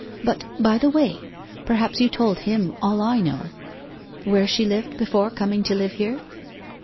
But, by the way, perhaps you told him all I know where she lived before coming to live here?